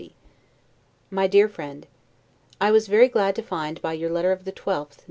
S. 1750 MY DEAR FRIEND: I was very glad to find by your letter of the 12th, N.